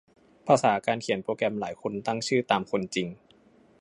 ภาษาการเขียนโปรแกรมหลายคนตั้งชื่อตามคนจริง